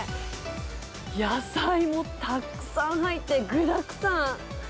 野菜もたくさん入って、具だくさん。